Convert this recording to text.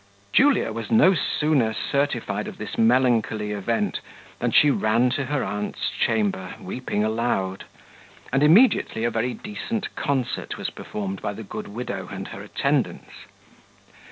Julia was no sooner certified of this melancholy event, than she ran to her aunt's chamber, weeping aloud; and immediately a very decent concert was performed by the good widow and her attendants.